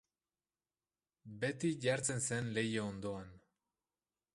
Beti jartzen zen leiho ondoan.